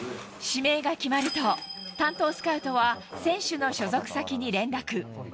指名が決まると、担当スカウトは選手の所属先に連絡。